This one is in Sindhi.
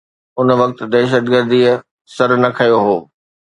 ان وقت دهشتگرديءَ سر نه کنيو هو.